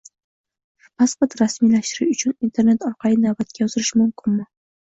Pasport rasmiylashtirish uchun Internet orqali navbatga yozilish mumkinmi?